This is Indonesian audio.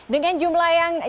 dengan jumlah yang